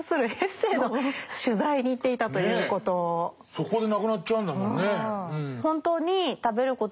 そこで亡くなっちゃうんだもんね。